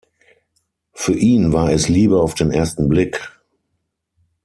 Für ihn war es Liebe auf den ersten Blick.